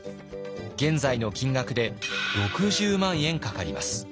現在の金額で６０万円かかります。